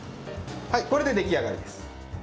はいこれで出来上がりです。